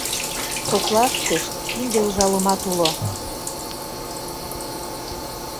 Коклаштышт кинде ужалымат уло.